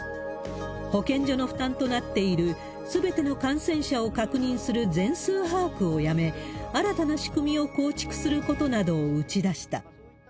保健所の負担となっている、すべての感染者を確認する全数把握をやめ、新たな仕組みを構築することなどを打ちだした。